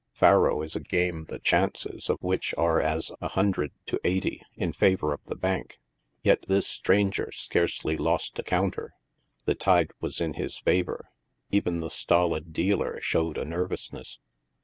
" Faro" is a game the chances of which are as a hundred to eighty in favor of the bank, yet this stranger scarcely lost a counter ; the tide was in his favor ; even the stolid dealer showed a nervousness.